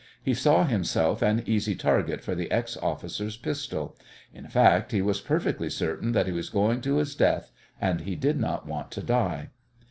He saw himself an easy target for the ex officer's pistol. In fact, he was perfectly certain that he was going to his death, and he did not want to die.